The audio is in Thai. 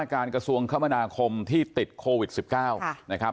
ว่าการกระทรวงขมราคมที่ติดคอวิธย์สิบเก้าค่ะนะครับ